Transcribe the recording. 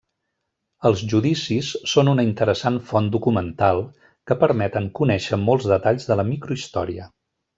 Els judicis són una interessant font documental que permeten conèixer molts detalls de la microhistòria.